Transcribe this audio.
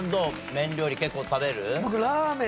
麺料理結構食べる？